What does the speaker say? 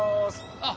あっ。